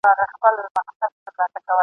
هره ورځ به د رمی په ځان بلا وي ..